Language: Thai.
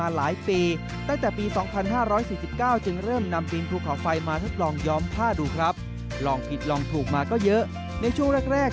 หลังถูกมาก็เยอะในช่วงแรก